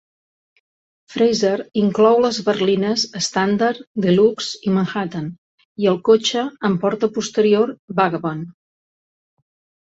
Frazer inclou les berlines Standard, Deluxe i Manhattan, i el cotxe amb porta posterior Vagabond.